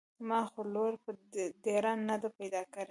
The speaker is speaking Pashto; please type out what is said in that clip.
ما خو لور په ډېران نده پيدا کړې.